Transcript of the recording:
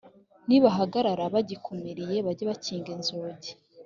nibahagarara bagikumiriye bajye bakinga inzugi